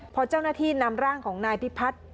พอเจ้าหน้าที่นำร่างของนายพิพัฒน์